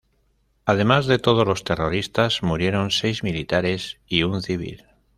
Además de todos los terroristas, murieron seis militares y un civil.